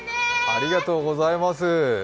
ありがとうございます。